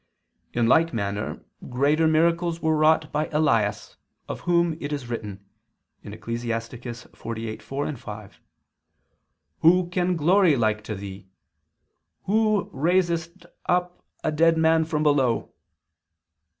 In like manner greater miracles were wrought by Elias, of whom it is written (Ecclus. 48:4, 5): "Who can glory like to thee? Who raisedst up a dead man from below."